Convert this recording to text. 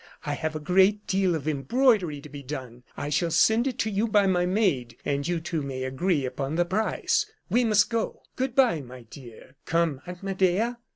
I have a great deal of embroidery to be done. I shall send it to you by my maid, and you two may agree upon the price. We must go. Good by, my dear. Come, Aunt Medea."